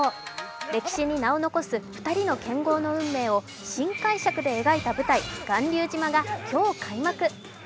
歴史に名を残す２人の剣豪の運命を新解釈で描いた舞台、「巌流島」が今日開幕。